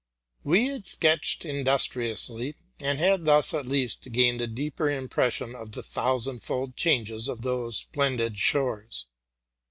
We had sketched industriously, and had thus, at least, gained a deeper impression of the thousand fold changes of those splendid shores.